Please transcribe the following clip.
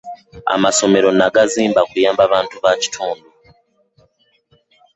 Amasomero nagazimba kuyamba bantu ba kitundu.